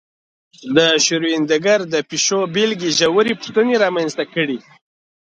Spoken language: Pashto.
د شرودینګر د پیشو بېلګې ژورې پوښتنې رامنځته کړې.